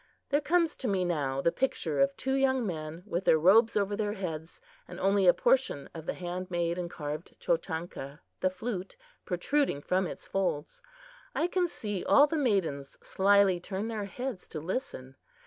There comes to me now the picture of two young men with their robes over their heads, and only a portion of the hand made and carved chotanka, the flute, protruding from its folds. I can see all the maidens slyly turn their heads to listen.